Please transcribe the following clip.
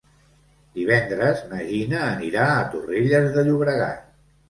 Divendres na Gina anirà a Torrelles de Llobregat.